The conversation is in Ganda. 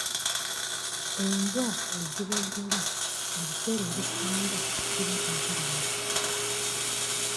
Embwa eziboggola ebiseera ebisinga ziba teziruma.